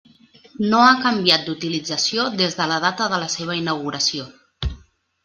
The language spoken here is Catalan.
No ha canviat d'utilització des de la data de la seva inauguració.